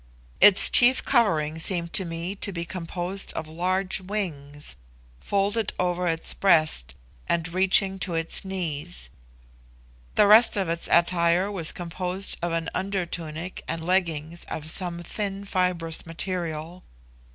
Its chief covering seemed to me to be composed of large wings folded over its breast and reaching to its knees; the rest of its attire was composed of an under tunic and leggings of some thin fibrous material.